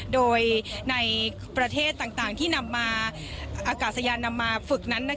โดยในประเทศต่างที่นำมาอากาศยานนำมาฝึกนั้น